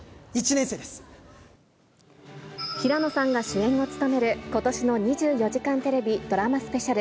平野さんが主演を務めることしの２４時間テレビドラマスペシャル。